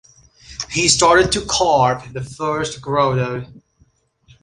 He started to carve the first grotto.